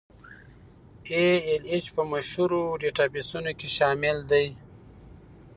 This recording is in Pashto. ای ایل ایچ په مشهورو ډیټابیسونو کې شامل دی.